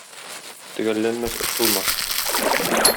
Төгәлләнмәс эш булмас.